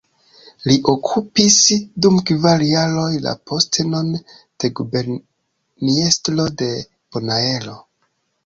Li okupis dum kvar jaroj la postenon de Guberniestro de Bonaero.